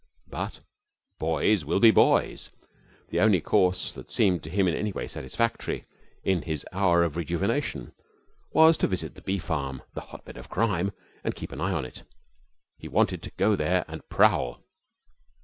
But boys will be boys. The only course that seemed to him in any way satisfactory in this his hour of rejuvenation was to visit the bee farm, the hotbed of crime, and keep an eye on it. He wanted to go there and prowl.